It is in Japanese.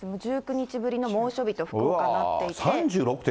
１９日ぶりの猛暑日と、福岡はなっていて。